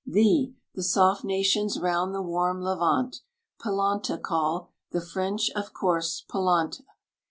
Thee, the soft nations round the warm Levant Polanta call; the French, of course, Polante.